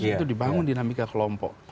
itu dibangun dinamika kelompok